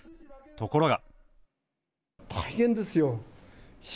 ところが。